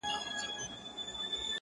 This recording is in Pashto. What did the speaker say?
دا حالت د هغې رواني ماتې ژور انځور دی,